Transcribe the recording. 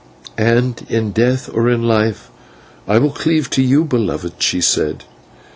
"And in death or in life I will cleave to you, beloved," she said.